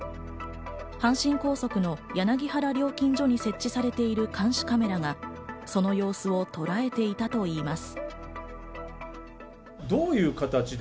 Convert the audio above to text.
阪神高速の柳原料金所に設置されている監視カメラがその様子をとらえていたといいます。